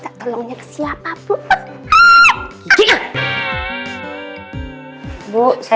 gak tolongnya kesilap apa